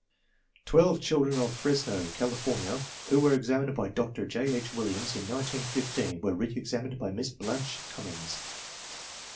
Twelve children of Fresno, California, who were ex amined by Dr. J. H. Williams in 1915 were reSxamined by Miss Blanche Cummings.